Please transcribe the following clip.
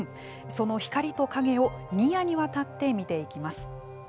その光と影を２夜にわたって見ていきます。